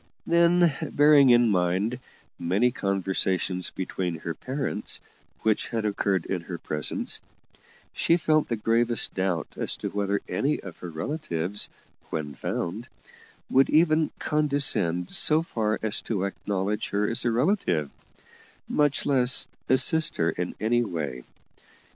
Then, bearing in mind many conversations between her parents which had occurred in her presence, she felt the gravest doubt as to whether any of her relatives, when found, would even condescend so far as to acknowledge her as a relative, much less assist her in any way.